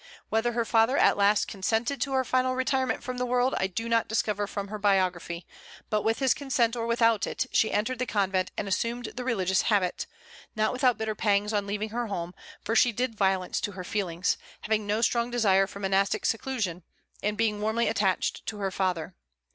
Whether her father, at last, consented to her final retirement from the world I do not discover from her biography; but, with his consent or without it, she entered the convent and assumed the religious habit, not without bitter pangs on leaving her home, for she did violence to her feelings, having no strong desire for monastic seclusion, and being warmly attached to her father.